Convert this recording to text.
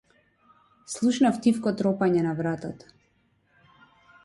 Слушнав тивко тропање на вратата.